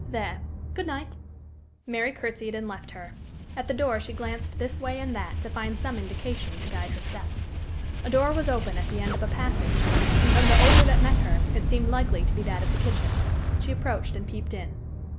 There good night!" Mary courtesied, and left her. At the door she glanced this way and that to find some indication to guide her steps. A door was open at the end of a passage, and from the odor that met her, it seemed likely to be that of the kitchen. She approached, and peeped in.